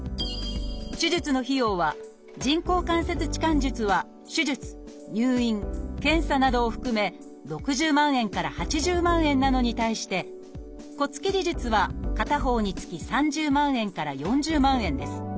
手術の費用は人工関節置換術は手術入院検査などを含め６０万円から８０万円なのに対して骨切り術は片方につき３０万円から４０万円です。